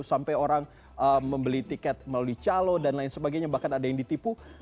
sampai orang membeli tiket melalui calo dan lain sebagainya bahkan ada yang ditipu